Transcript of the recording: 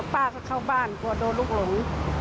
ป้าก็เข้าบ้านกลัวโดนลูกหลง